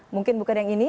mungkin bukan yang ini